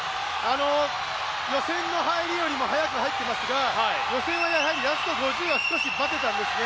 予選の入りよりも早く入っていますが、予選はラスト５０は少しバテたんですね。